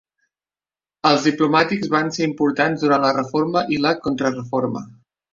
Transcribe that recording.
Els diplomàtics van ser importants durant la Reforma i la Contrareforma.